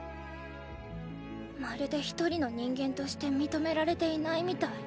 まるでひとりの人間として認められていないみたい。